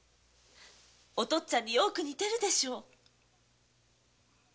お父っつぁんに似てるでしょう？